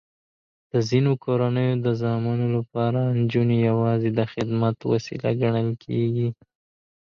د ځینو کورنیو د زامنو لپاره نجونې یواځې د خدمت وسیله ګڼل کېږي.